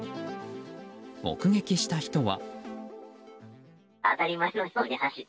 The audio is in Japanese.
目撃した人は。